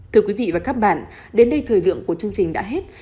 thưa quý vị và các bạn đến đây thời lượng của chương trình đã hết